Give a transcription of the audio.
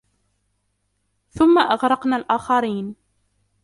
ثُمَّ أَغْرَقْنَا الْآخَرِينَ